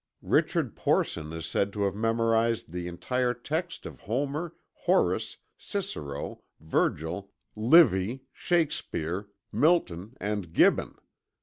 Richard Porson is said to have memorized the entire text of Homer, Horace, Cicero, Virgil, Livy, Shakespeare, Milton, and Gibbon.